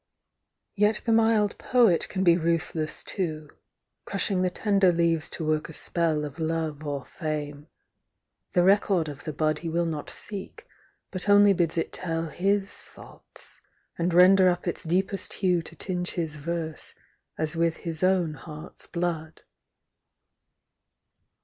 Yet the mild Poet can be ruthless too, Crushing the tender leaves to work a spell Of love or fame ; the record of the bud He will not seek, but only bids it tell His thoughts, and render up its deepest hue To tinge his verse as with his own heart's l)lood.